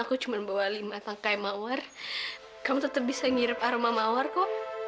kau sama sekali ga ingat sama aku